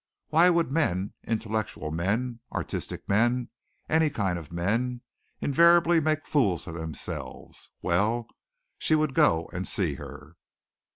Why would men, intellectual men, artistic men, any kind of men, invariably make fools of themselves! Well, she would go and see her.